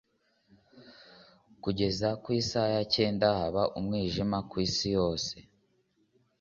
«Kugeza ku isaha ya cyenda, haba umwijima ku isi yose.»